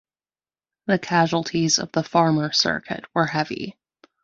The casualties of the Farmer circuit were heavy.